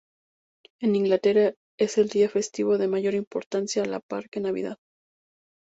En Inglaterra es el día festivo de mayor importancia, a la par que Navidad.